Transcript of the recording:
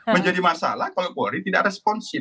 menjadi masalah kalau polri tidak responsif